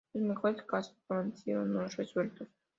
Los mejores casos, permanecieron no resueltos.